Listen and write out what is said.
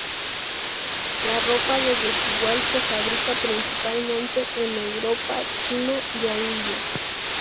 La ropa de Desigual se fabrica principalmente en Europa, China y la India.